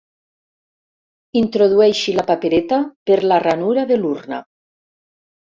Introdueixi la papereta per la ranura de l'urna.